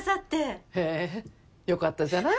へえよかったじゃない。